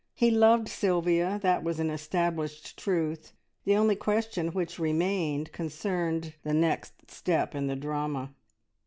He loved Sylvia that was an established truth; the only question which remained concerned the next step in the drama.